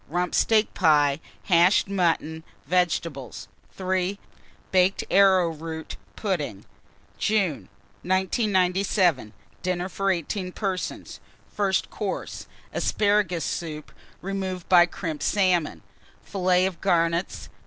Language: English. Rump steak pie, hashed mutton, vegetables. 3. Baked arrowroot pudding. JUNE. 1997. DINNER FOR 18 PERSONS. First Course. Asparagus Soup, removed by Crimped Salmon. Fillets of Garnets.